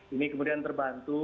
ini kemudian terbantu